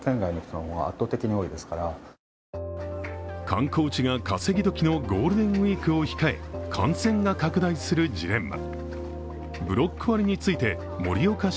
観光地が稼ぎどきのゴールデンウイークを控え感染が拡大するジレンマ。